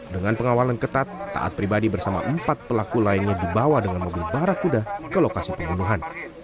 dengan pengawalan ketat taat pribadi bersama empat pelaku lainnya dibawa dengan mobil barakuda ke lokasi pembunuhan